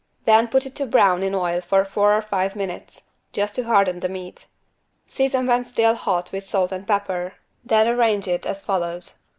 Then put it to brown in oil for four or five minutes, just to harden the meat. Season when still hot with salt and pepper, then arrange it as follows.